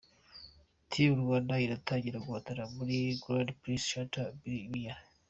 Team Rwanda iratangira guhatana muri Grand prix Chantal Biya.